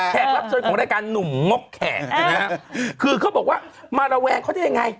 รับเชิญของรายการหนุ่มงกแขกนะฮะคือเขาบอกว่ามาระแวงเขาได้ยังไง